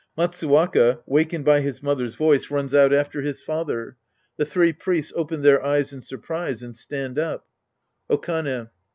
Matsuwaka, wakened by his mother's voice, runs out after his father. The three priests open their eyes in surprise and stand up.) Okane.